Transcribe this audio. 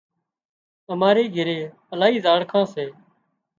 اماري گھري الاهي زاڙکان سي